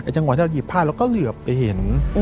จังหวะที่เราหยิบผ้าเราก็เหลือไปเห็น